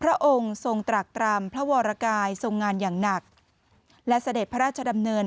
พระองค์ทรงตรักตรำพระวรกายทรงงานอย่างหนักและเสด็จพระราชดำเนิน